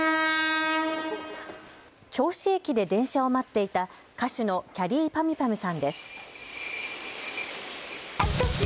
銚子駅で電車を待っていた歌手のきゃりーぱみゅぱみゅさんです。